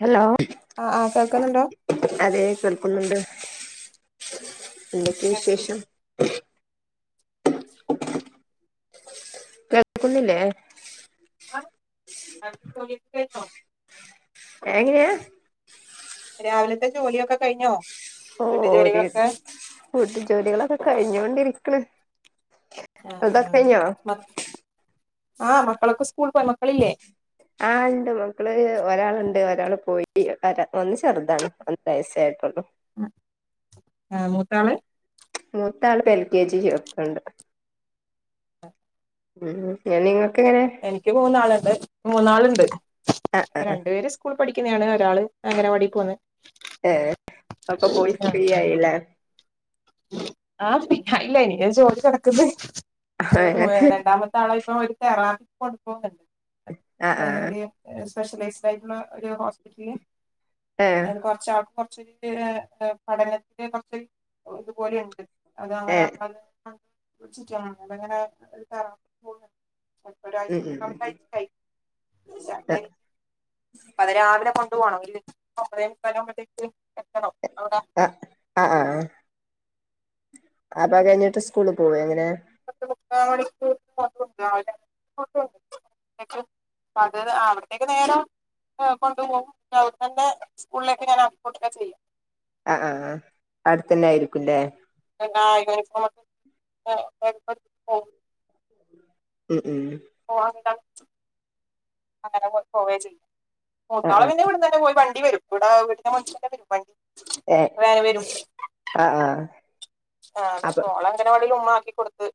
Hello ആഹ് ആഹ് കേൾക്കുന്നുണ്ടോ അതെ സ്ല്പ്പുന്നുണ്ട് എന്തൊക്കെയ വിശേഷം കേൾക്കുന്നില്ലേ എങ്ങ രാവിലത്തെ ജോലിയൊക്കെ കഴിഞ്ഞോ വീട്ടു ഓര് ജോലികളൊക്കെ കൂട്ട ജോലികളൊക്കെ കഴിഞ്ഞൊണ്ടിരിക്കണ ആ ആ ആഹ മക്കളൊക്കെ സ്കൂൾ പോയി മക്കളില്ലേ ആളണ്ട് മക്കള് ഒരാളുണ്ട് ഒരാ പോയി വരാ ഒന്ന് ചെറുതാണ് ഒ ന്ന് വയസ്സ ആായിട്ടുള്ളു ആ ആഹ മൂത്താള് മൂത്താള്ും എല് കെ ജി യപ്പുണ്ട് ഉം ങ്ങ എനിക്ക് മൂന്നാളുണ്ട് മൂന്നാളുണ്ട് ആ ആ രണ്ടു പേര് സ്കൂൾ പഠിക്കുന്നാണ് രാൾ അങ്ങനെ വാടി പോന്ന് ഏ അപ്പൊ പോയി ഫ്രീ ആയില്ല ആഹ പിന്ന ഇല്ല ഇന ജോലി കിടക്കുന്ന അത് രണ്ടാമത്തെ ആളായി ഇപ്പൊ ഒരു തെറാക്ക കൊണ്ടു പോുന്നുണ്ട് ആ ആ സ്പെഷ്യലൈസ്ഡ് ആയിട്ടുള്ള ഒരു ഹോസ്പിറ്റല് ഏ അത് കുറച്ച ആൾക്ക ച്ച പഠനത്തിന് കൊറച്ച ഇതുപോലെുണ്ട് അത് ഏ അങ്ങനെ ചിറ്റ അ അങ്ങനെ എടുത്തറ പോ ഉം ഉം ഒരാഴചഴ പ രാവിലെ ഒമ്പദേ മുകലാകുംഭത്തേക് ത്തേക്ക് എത്തണംോ ആഹ ആഹ് ആഹ് ആഹ അപ്പ കഴിഞ്ഞിട്ട് സ്കൂള പോവ എങ്ങനെ ക്കണ അത് ആ അവിടത്തേക്കെ നേരം. ആ കൊണ്ടു പോകും അവിടെന്നെന്നെ സ്കൂളിലേക്ക് ഞാൻ ആക്കി കൊടുക്കാ ചെയ്യാ. അ ആഹ് അടുത്തന്നെ ആയിരിക്കുംല്ലേ. എന്ന [unintelligible] [inaudible] ഉം ഉം പോവാണ്ട അങ്ങനെ പോവേ ചെയ്യും. ആഹ് മൂത്താള് പിന്നെ ഇവിടെന്നെന്നെ പോയി വണ്ടി വരും ഇവിടെ വീടിന്റെ മുറ്റത്തറ്റം വരും വണ്ടി. ഏ വേന ആഹ് ആഹ്. ആഹ് അപ്പൊ മോളെ അങ്കനവാടിയിൽ ഉമ്മ ആക്കി കൊടുത്ത്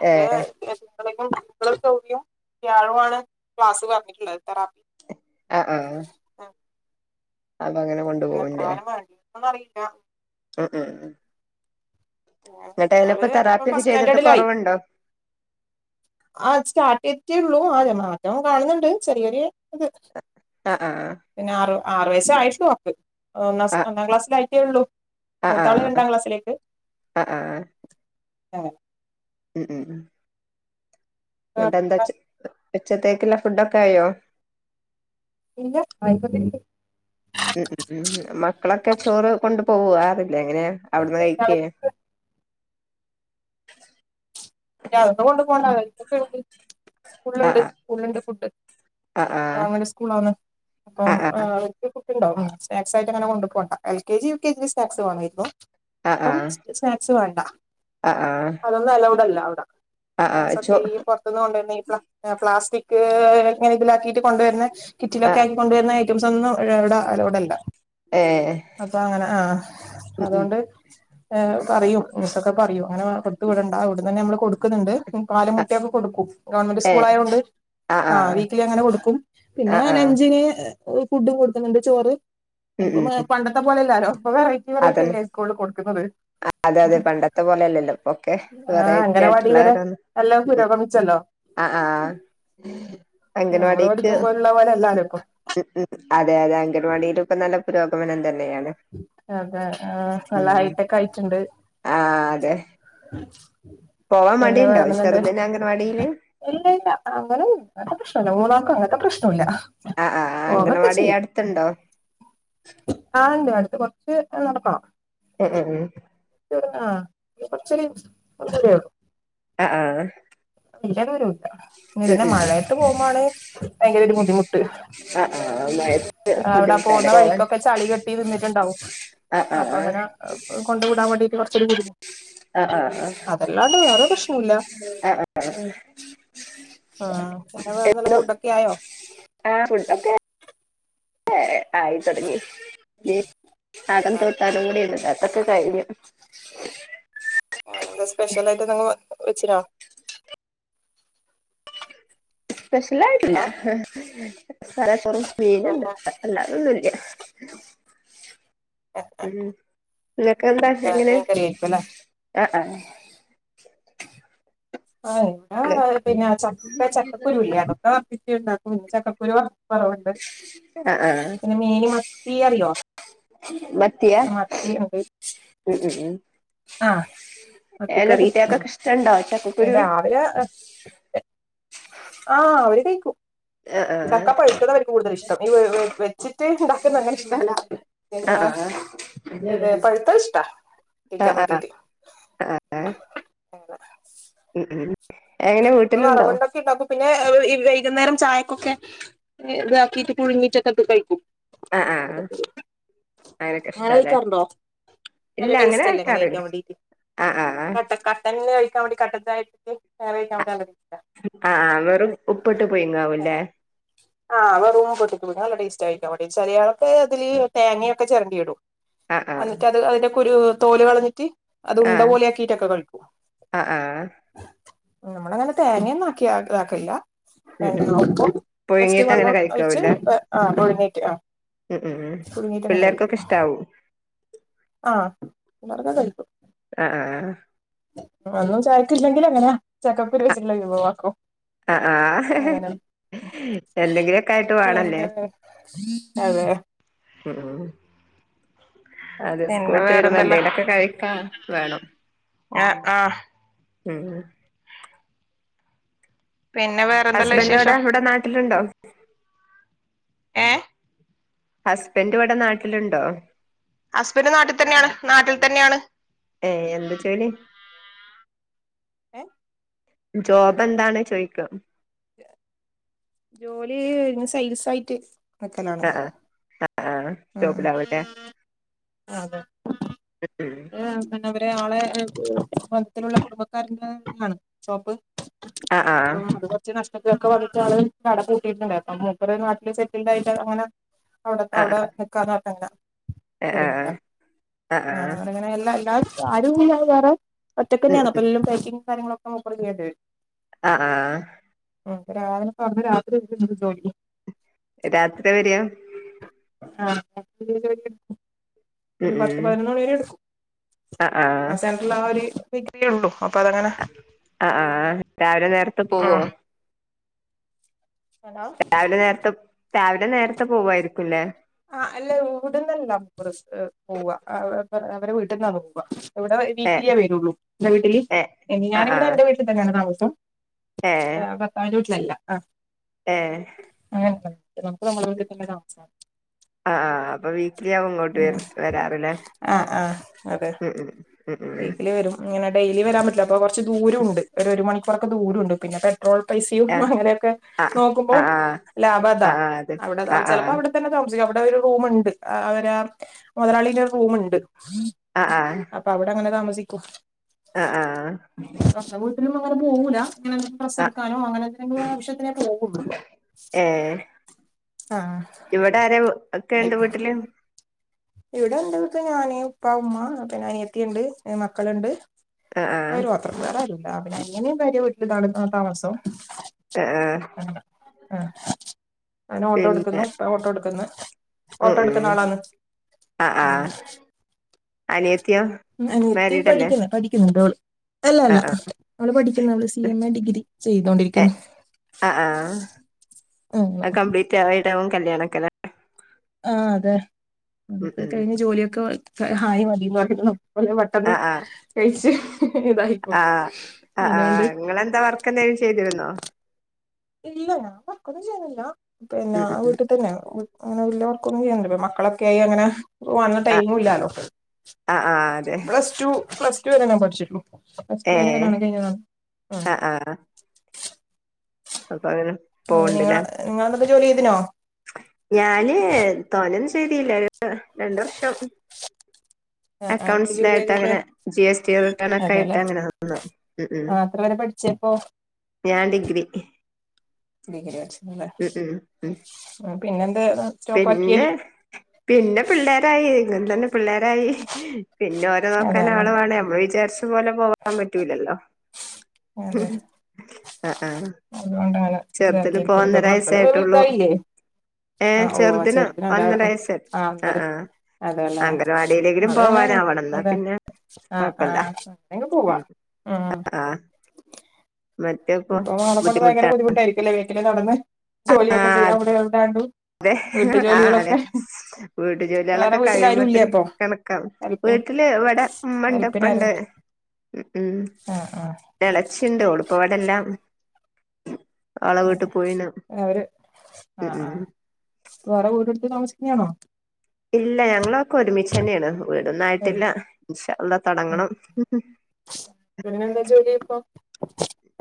അത് ഏഹ് അപ്പൊളേക്കുംകുട്ടികളൊക്കെ ഒഴിയും വ്യാഴമാണ് ക്ലാസ്സ് പറഞ്ഞിട്ടുള്ളത് തെറാപ്പി. ആഹ് ആഹ് അത് അങ്ങനെ കൊണ്ട് പോണ് ലെ. അത് അറിയില്ല ഉം ഉം ഉ അങ്ങനെ ഞങ്ങള് ന്ന്ട്ടയ്ലനിപ്പോ ഇപ്പൊ തെറാപ്പി ഫസ്റ്റ് ഒക്കെ ചെയ്തിട്ട് സ്റ്റാൻഡേർഡിലായി കുറവുണ്ടോ? ആ സ്റ്റാർട്ട് ചെയ്റ്റേള്ളു ആ അതെ മാറ്റം കാണുന്നുണ്ട് ചെറിയ ചെറിയ ഇത്. ആഹ് ആഹ് ആറു വയസ്സായോട്ടുള്ളു അവക്ക് ഒന്നാം ആഹ് ഒന്നാം ക്ലാസ്സിലായിറ്റെ ഉള്ളൂ. ആഹ് മൂത്താള് ആഹ് രണ്ടാം ക്ലാസ്സിലേക്ക് ആഹ് ആഹ് [unintelligible] ഉം ഉംഉം ങ്ങട്ടെന്താ ആ, ചോ ഉച്ചത്തേക്കുള്ള ഫുഡ് ഒക്കെ ആയോ? ഇല്ല ആയികൊണ്ടിരിക്കുന്നു. ഉ ഉ ഉം മക്കളൊക്കെ ചോറ് കൊണ്ട് പോവോ ആര എങ്ങനാ ഇല്ല, അവിടുന്ന് കഴിക്കെ. ഇല്ല, ഞ അതൊന്നും കൊണ്ട് പോവണ്ട അവരിക്കൊക്കെ ഉണ്ട് സ്കൂളുണ്ട് ആഹ് സ്കൂളണ്ട് ഫുഡ്. ആഹ് ആഹ് ഗവൺമെന്റ് സ്കൂളാണ് അപ്പം ആഹ് ഏഹ് അവരിക്ക് ഫുഡ് ഉണ്ടോ ഉം സ്‌നേക്‌സായിട്ട് അങ്ങന കൊണ്ട് പോകേണ്ട L K G U K G snacks വേണം ഇപ്പൊ. ആഹ് ആഹ് ഇപ്പം സ്നാക്സ് വേണ്ട ആഹ് ആഹ് അതൊന്നും അലൗവ്ട് അല്ല അവിടെ. ആഹ് ആഹ് സ്നാക്സ് ഒക്കെ ചോ ഈ പുറത്തുന്ന് കൊണ്ട് തന്നെ ഈ പ്ല പ്ലാസ്റ്റിക്. ഏഹ് ങ്ങന ഇതിലാക്കിയിട്ട് കൊണ്ടുവരുന്ന കിറ്റിലൊക്കെ ആഹ് ആക്കി കൊണ്ടുവരുന്ന ഐറ്റംസ് ഒന്നും അവിടെ അലോവ്ടല്ല. ഏഹ് അപ്പൊ അങ്ങനെ ആഹ് ഉം ഉം അതുകൊണ്ട് ഏഹ് പറയും. ഇങ്ങത്തൊക്കെ പറയും അങ്ങനെ കൊടുത്ത വിടണ്ട ഇവിടന്ന് തന്നെ നമ്മള് കൊടുക്കണ്ട്. ഉം പാലും മുട്ടയൊക്കെ കൊടുക്കും ഗവൺമെന്റ് സ്കൂൾ ഏഹ് ആയത് കൊണ്ട്. ആഹ് ആ ആഹ് വീക്കലി അങ്ങനെ കൊടുക്കും പിന്നെ ആഹ് ആഹ് ലഞ്ചിന് ഓ ഫുഡും കൊടുക്കുന്നുണ്ട് ചോറ് ഉം അതിപ്പം ഉം പണ്ടത്തെ പോലെല്ലാരോ? ഇപ്പ വെറൈറ്റി വെറൈറ്റി അല്ലേ സ്കൂളള് കൊടുക്കുന്നത്. ആ അതെ അതെ പണ്ടത്തെ പോലെയല്ലല്ലോ ഇപ്പൊക്കെ വേറെ. ആഹ് അംഗനവാടി വരെ എല്ലാം പുരോഗമിച്ചല്ലോ. ആഹ് ആഹ് നമ്മള് അംഗൻവാടിക്ക് പഠിക്കുമ്പോലുള്ള പോലെ അല്ലാലോ ഇപ്പൊ. ഉം ഉം അതെ അതെ അംഗൻവാടിയിലും ഇപ്പ നല്ല പുരോഗമനം തന്നെ. അതെ ആഹ് നല്ല ഉം ഹൈടെക്ക് ആയിട്ടുണ്ട്. ആഹ് അതെ പോവാൻ പിന്നെ മടിയുണ്ടോ വേറെന്തുണ്ട് ചെറുതിന് അംഗൻവാടിയില്. ഇല്ല ഇല്ല അങ്ങനെ ഉം പ്രശ്നല്ല മൂന്നാക്കും അങ്ങത്തെ പ്രശ്നം ഇല്ല. ആഹ് ആഹ് അംഗണവാടി അടുത്തുണ്ടോ? ഇവിടടുത്ത് കുറച്ച് നടക്കണം. ഉം ഉം ഉം ആ കൊറച്ചെരു ഉള്ളെരിയാണ്. ആഹ് ആഹ് [unintelligible] വരൂല ഇങ്ങനെതന്നെ ഉം ഉം ആഹ് മഴത്ത് പോകുമ്പോണ് ഭയങ്കര ഒരു ബുദ്ധിമുട്ട്. ആഹ് മഴയത്ത് അവിടെ ബുദ്ധിമുട്ടാല്ലേ പോന്ന പോവാൻ വഴിക്കൊക്കെ ചളി കെട്ടി നിന്നിട്ടുണ്ടാവും. ആഹ് ആഹ് അപ്പൊ അങ്ങനെ കൊണ്ട് വിടാൻ വേണ്ടീട്ട് കൊറച്ചൊരു ബുദ്ധിമുട്ട് ആഹ് ആഹ് ആഹ് അതല്ലാണ്ട് വേറെ പ്രശ്നുല്ല ആഹ് ആഹ് ആ പറ വേറെ നല്ല എന്നും ഫുഡോക്കെ ആയോ ഏ ആയി തുടങ്ങി ഇ ആടെൻ തോട്ട് അതുംകൂടിണ്ട് താക്കാൻ ക്കേ കഴിഞ്ഞു ആ എന്താ സ്പെഷ്യൽ ആയിട്ട്ന്തേലു വെച്ചനോ സ്പെഷ്യൽ ആയിട്ടില്ല തലച്ചോറും മീന്ണ്ട് അല്ലാതൊന്നുല് ല്യ ഉം ങ്ങക്കെ എന്താ ചെ ങ്ങനെ മീൻകറി ആയിരിക്കും അല്ലേ ആ ആ ആയനിം ആ പിന്നെ ചക്ക ചക്കുരു ഇല്ല അതൊക്കെ പിറ്റ് ണ്ടാക്കും ചക്കക്കുരൊ പ [unintelligible] ആ ആ പിന്നെ മീൻ മത്തി അറിയോ മത്തിയാ മത്തി ഉണ്ട് ഉം ഉം ഉം ആഹ് എങ്ങനെ മത്തിക്കറി കുട്ടികൾക്കൊക്കെ ഇഷ്ടണ്ടോ ചക്കക്കുരു രാവിലെ ആ അവര് കയിക്കും ആ ആ ചക്ക പഴുത്തത് അവര്ക്ക് കൂടുതൽ ഇഷ്ടം ഈ വെ വെച്ചിട്ട് ഇണ്ടാക്കുന്ന അങ്ങനെ ഇഷ്ടല്ല ആ എന്താ ആ ഏത് പഴുത്തഹ് ഇഷ്ടാ ആ കയിക്കാൻ ആ വേണ്ടീട്ട് ആ ആ ഉം ഉം എങ്ങനെ വീട്ടിലുണ്ടോ വറവുണ്ടൊക്കെ ഇണ്ടപ്പ പിന്നെ എ വ് ഇ വൈകുന്നേരം ചായക്കൊക്കെ താക്കിട്ട് പുഴുങ്ങിട്ടൊക്കെ ത് കഴിക്കും അ ആ അ ഹ് അങ്ങനൊക്കെ അങ്ങനെ ഇഷ്ടല്ലേ കഴിക്കാറുണ്ടോ നല്ല ടേസ്റ്റ് അല്ലേ അങ്ങനെ കഴിക്കാൻ വേണ്ടീട്ട് ആ ആ കട്ട കട്ടൻ കഴിക്കാൻ വേണ്ടി കട്ടൻ ചായക് ഹ ആഹ് വെറും ഉപ്പിട്ട് പുയിങ്ങാവല്ലേ ആഹ് അവ [unintelligible] ചെയ്ക്കവെണ്ടി ചിലയാളൊക്കെ തില് തേങ്ങയൊക്കെ ചിരണ്ടി ഇടും ആ ആ അൻക് അത് അതിന്റെ കുരു തോല് കളഞ്ഞിട്ട് അത് ആ ഉണ്ട പോലെ ആാക്കിട്ടൊക്കെ കയിക്കും ആ ആ നമ്മളങ്ങനെ തേങ്ങൊന്നും ആക്കി ആ ഇതാക്കില്ല ഉം ഉം ഒപ്പം ജസ്റ്റ് പുഴുങ്ങിട്ട് വ അങ്ങനെ ഒഴിച്ച് കഴിക്കാവൂല്ലേ ആ ഒഴങ്ങേറ്റ് ആ ഉം ഉം പുയു ങ്ങിട്ട ങ്ങനെ കഴിക്കൂ പിള്ളേർക്കൊക്കെ ഇഷ്ടാവും ആന്നറിഞ കഴിക്കും അ അ ആ ഹ അതും ചായക്കില്ലെങ്കിൽ ങ്ങനാ ചക്കക്കുരു വെച്ട്ടുള്ള വിഭവാക്കും അ ആ ഹ്. അങ്ങനെ എന്തെങ്കിലുക്കെ ആയിട്ട് വേണല്ലേ പിന്നെ അതെ അ ആ അതെ പിന്നെ സ്കൂട്ട് വരുമ്പോ വേറെന്തല്ലാ എന്തേലൊക്കെ കഴിക്കാ വേണം ആ ഹാഹ് ഉം പിന്നെ വേറെന്തല്ലാ ഹസ്ബൻഡോടെ വിശേഷം ഇവിടെ നാട്ടിലുണ്ടോ ഏഹ് ഹസ്ബൻഡ് ഇവിടെ നാട്ടിലുണ്ടോ അസ്ബന്റ് നാട്ടി തന്നെയാണ് നാട്ടിൽ തന്നെയാണ് ഏഹ് എന്ത് ജോലി ഏ ജോബ് എന്താണ് ചോയ്ക്ക ജോലി ന് സൈൽസ് ആയിട്ട് നക്കലാണ് ആഹ് ആഹ് ആഹ് ഷോപ്പിലാവു ല്ലേ ആതെ [unintelligible] നാളെ മത്തിലുള്ള കുടബക്കാരന്റൊണ് ഷോപ്പ് ആഹ് അത ആഹ് അത് പച്ച നഷ്, തൊക്കെ [unintelligible] പൂട്ടിയിട്ടുണ്ടായിര്ന്നു അപ്പ മൂപ്പര് നാട്ടില് സെറ്റിൽഡ ആായിട്ട് അങ്ങനെ നാ അവിടെ അവിടെ നിക്കാ നാട്ടന്ന എ ആഹ് ഹഅ ആഹ് ല്ലാ ആ വേറെ ഒറ്റക്ക ഉം തന്നെയാണ് ഉം അപ്പൊ എ ബക്കി കാര്യങ്ങളൊക്കെ ന ആഹ ആഹ ആ രാവനെ പറഞ്ഞ രാത്രി വണ്ട് ജോലി രാത്രി വര്യാ ആ പ ഒരു പത്ത് പതിനൊന്ന് മണി വരെ എടുക്കും ആ ആ സെന്ററിൽ ആ ഒരു പ്രക്രിയ ഉള്ളൂ അപ്പൊ അതങ്ങനെ അആഹ് രാവിലെ നേരത്തെ പോവോ ആഹ് ഹലോ രാവിലെ നേരത്തെ രാവിലെ നേരത്തെ പോവായിരിക്കുംല്ലേ ആ അല്ല ഇവിടുന്നല്ലാം പോവാ അവരെവീട്ടിൽന്നാ പോവാ ഇവിടെ ഏഹ് വീക്കിലിയേ വരുള്ളൂ എന്റെ വീട്ടില് ഏ ആ ആ ഞാനിവിടെ എന്റെ വീട്ടിൽ തന്നെയാണ് താമസം ഏ ഭർത്താവിന്റെവീട്ടിലല്ല ആ ഏ [unintelligible] ആ ആ അപ്പൊ വീക്ക്ലിആകും ഇങ്ങോട്ട് വരാറില്ലേ ആ ആ അതെ ഉം ഉം ഉം ഉം വീക്കിലി വരും അങ്ങനെ ഡെയിലി വരാൻ പറ്റില്ല അപ്പോൾ കുറച്ച് ദൂരൊണ്ട് ഒരു മണിക്കൂറൊക്കെ ദൂരൊണ്ട് പിന്നെ പെട്രോൾ പൈസിം ആ അങ്ങനെയൊക്കെ ആ നോക്കുമ്പോ ആ ആ ആ ലാഭതാ ആ അതെ അവിടെ ആ ആ ചിലപ്പോ അവിടെ തന്നെ അവിടെ ഒരുറൂമ്ണ്ട് മൊതലാളിന്റ റൂമ്ണ്ട് ആ ആ അപ്പ അവിടങ്ങനെ താമസിക്കും ആ ആഹ സ്വന്തം വീട്ടിലും അങ്ങനെ പോവൂല അങ്ങനെ ട്രസ്സ് എടുക്കാനോ അങ്ങനെ എന്തെങ്കിലും ആവശ്യത്തിനെ പോവുള്ളു ഏ ഇവിടെ ആര ക്കെ പിന്നെ ഉണ്ട് വീട്ടില്. ഇവിടെ എന്റെ വീട്ടിൽ ഞാന് ഉപ്പ ഉമ്മ പിന്നെ അനിയത്തിണ്ട് മക്കള്ണ്ട്. ആ ആ ഒരു [unintelligible] ആരുല്ലാ പിന്നെ അനിയന് ഭാര്യവിട്ടിലാണ് താമസം അ ആഹ് ആ അന് ഓട്ടോ എടുക്കുന്നു ഓട്ടോ എടുക്കുന്നഓട്ടോ എടുക്കുന്ന ആളാണ്. അ അങ്ങനെ ആഹ് അനിയത്തി പഠിക്ക്ന്ന്. പഠിക്കുന്നുണ്ടോള്. അല്ല ആ അല്ല ആ അവള് പഠിക്കുന്നത് അവള് സി എം എ ഡിഗ്രി ഏ ചെയ്തോണ്ടിരിക്കുന്നു ആ ആ അങ്ങനെ കംപ്ലീറ്റ് ആയിട്ടാവും കല്യാണ ഒക്കെ ല്ലെ ആഹ് അതെ ഉം അതൊക്കെ ഉം കഴിഞ്ഞ് ജോലിയൊക്കെ ഹായി മതി. എത്രയും ആ പെട്ടെന്ന് ആ കഴിച്ച് ഇതായിക്കും. ആ ആ ആ അതുകൊണ്ട് നിങ്ങളെന്താ വർക്ക് എന്തെങ്കിലും ചെയ്തിരുന്നോ? ഇല്ല ഞാൻ വർക്കൊന്നും ചെയ്യാതില്ല പിന്നെ ഉം ആ ഉം വീട്ടിൽ തന്നെ [unintelligible] [unintelligible] മക്കളൊക്കെ ആയി അങ്ങനെ ഓ ആ ടൈമ്ഇല്ലാലോ ആഹ് ആഹ് അതെ പ്ലസ് ടു പ്ലസ് ടു വരെ ഞാൻ പഠിച്ചിട്ടുള്ളൂ. പ്ലസ്ടു ഏഹ് [unintelligible] ആ ആഹ് ആഹ് അപ്പൊ അങ്ങനെ പോവ്ണ്ട്ല്ലേ നിങ്ങള് നിങ്ങളെന്തേലും ജോലി ചെയ്തിനോ? ഞാന് തോനെന്നുംചെയ്തിയില്ല. രണ്ട് വർഷം [unintelligible] ആഹ് ആഹ് എന്ത് ജോലിയാ അക്കൗണ്ട്സിലായിട്ട് ചെയ്തേ അങ്ങനെ ജി എസ് ടി റിട്ടേൺ ഒക്കെ ആയിട്ട് അതെല്ലേ അങ്ങനെക്കെ നിന്നു. എപ്പോ? ഞാൻ ഡിഗ്രി. ഡിഗ്രി ഉം [unintelligible] ഉം ഉം പിന്നെന്താ. പിന്നെ പിന്നെ പിള്ളേരായി ഇങ്ങന തന്നെ പിള്ളേരായി. പിന്നെ ഓരെ അതെല്ലേ നോക്കാന്ആള് വേണേ നമ്മൾ വിചാരിച്ച പോലെ പോകാൻ പറ്റൂലല്ലോ അതെ അഹ് അഹ് അതുകൊണ്ടങ്ങനെ ചെറുതിനിപ്പോ ഇതാക്കിയിരിക്കല് ഇപ്പൊ ഒന്നര മക്കള് വയസ്സേയിട്ടുള്ളൂ. വലുതായില്ലേ ആഹ് ഓ ചെറുതിന് ഒരാള് അന്നര വയസ്സ് ആഹ് ഒന്നര അതെല്ലേ അങ്കലവാടിയിലെങ്കിലും പോവാനാവണം എന്നാ പിന്നെ അ ആ കൊഴപ്പല്ല അയ്ന് ക്കെ പോവാ ഉം. ആ ഇപ്പൊ അവളെക്കൊണ്ട് ഭയങ്കര ബുദ്ധിമുട്ടായിരിക്കല്ലേ വീട്ടിലെ ജോലിയൊക്കെ ചെയ്യാൻ ആഹ് അവിടെ എവിടൊണ്ടണ്ട് അതെ ആ അതെ വീട്ട് വേറെ ജോലികളൊക്കെ വീട്ടിൽ ആരും ഇല്ലേ കഴിയുമ്പോത്തിന് അപ്പൊ കണക്കാ. ഹെൽപ്പിന് വീട്ടില് ഇവിടെ ഉമ്മണ്ട് ഹെൽപ്പിന് ഇപ്പണ്ട്. ആരും ഉം ഉം ആഹ് ആഹ് എളെച്ചിണ്ട് ഓള് ഇപ്പ ഇവടില്ല. ആളവീട്ട് അതെ പോയിന്ന് അവര് ഉം ആഹ് ഉം ആഹ് വേറെ വീടെടുത്ത് താമസിക്കാണോ ഇല്ല ഞങ്ങളൊക്കെ ഒരുമിച്ച് തന്നെയാണ് വീടൊന്നും ആയിട്ടില്ല ഇൻഷാ അള്ളാ തുടങ്ങണം ഉം ഉം എങ്ങനുണ്ട് ജോലി ഇപ്പൊ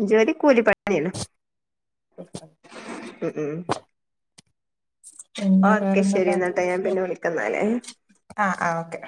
ജോലി കൂലിപ്പണിയെന്ന ഉം ഉം ആ പിന്നെ ഓക്കെ ശരി വേറെന്തല്ലാ എന്നാട്ടാ ഞാൻ പിന്നെ വിളിക്കുന്നല്ലേ ആ ആ ഓക്കെ